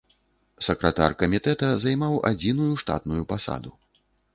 Сакратар камітэта займаў адзіную штатную пасаду.